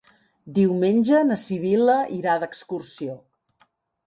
Diumenge na Sibil·la irà d'excursió.